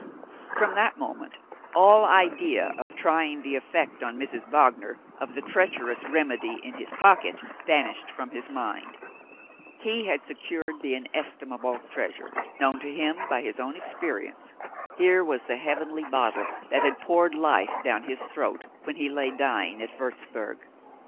From that moment all idea of trying the effect on Mrs. Wagner of the treacherous "remedy" in his pocket vanished from his mind. He had secured the inestimable treasure, known to him by his own experience. Here was the heavenly bottle that had poured life down his throat, when he lay dying at Wurzburg!